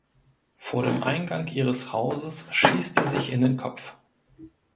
Vor dem Eingang ihres Hauses schießt er sich in den Kopf.